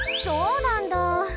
そうなんだ。